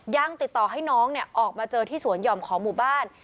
ยังติดต่อให้น้องออกมาเจอที่สวนหย่อมของหมู่บ้าน